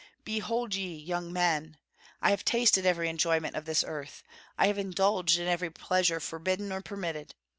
"Behold, ye young men! I have tasted every enjoyment of this earth; I have indulged in every pleasure forbidden or permitted.